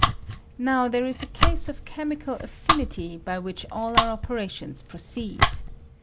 Now there is a case of chemical af&nitj by which all our ope rations proceed.